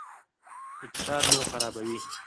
اقتصاد مو خرابوي.